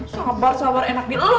sabar sabar enak di lo